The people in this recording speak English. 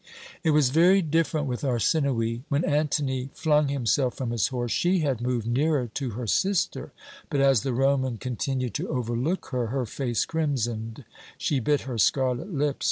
"It was very different with Arsinoë. When Antony flung himself from his horse, she had moved nearer to her sister, but, as the Roman continued to overlook her, her face crimsoned, she bit her scarlet lips.